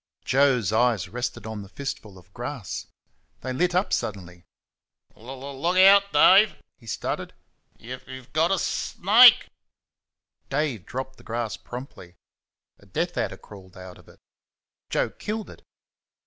Joe's eyes rested on the fistful of grass. They lit up suddenly. "L l look out, Dave," he stuttered; "y' y' got a s s snake." Dave dropped the grass promptly. A deaf adder crawled out of it. Joe killed it.